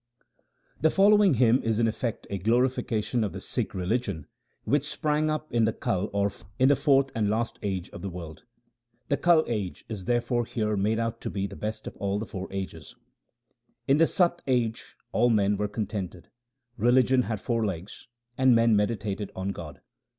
The following hymn is in effect a glorification of the Sikh religion which sprang up in the Kal or fourth and last age of the world. The Kal age is therefore here made out to be the best of all the four ages: — In the Sat age all men were contented ; religion had four legs, and men meditated on God.